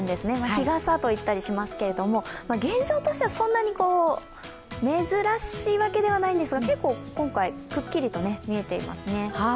日暈といったりするんですが現象としてはそんなに珍しいわけではないんですが、結構今回、くっきりと見えていますね。